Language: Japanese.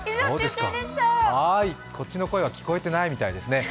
こっちの声は聞こえてないみたいですね。